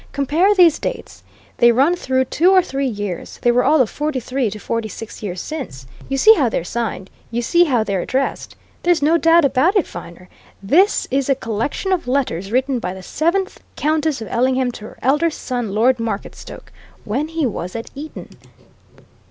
"Compare these dates they run through two or three years; they were all of forty three to forty six years since. You see how they're signed you see how they're addressed? There's no doubt about it, Viner this is a collection of letters written by the seventh Countess of Ellingham to her elder son, Lord Marketstoke, when he was at Eton."